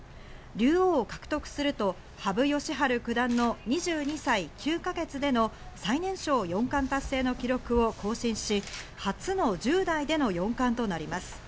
竜王獲得すると羽生善治九段の２２歳９か月での最年少四冠達成の記録を更新し、初の１０代での四冠となります。